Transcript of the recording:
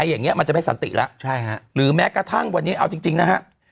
อันนี้มันจะไม่สันติแล้วหรือแม้กระทั่งวันนี้เอาจริงนะฮะ